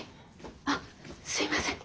あすいません。